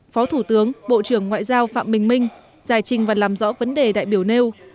phó thủ tướng bộ trưởng ngoại giao phạm bình minh giải trình và làm rõ vấn đề đại biểu nêu